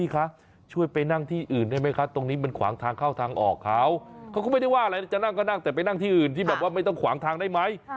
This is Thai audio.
เขาก็ไม่ได้ว่าอะไรจะนั่งก็นั่งแต่ไปนั่งที่อื่นที่แบบว่าไม่ต้องขวางทางได้ไหม